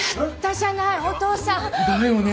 だよね。